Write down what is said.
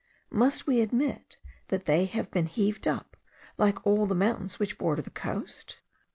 Must we admit that they have been heaved up, like all the mountains which border the coast.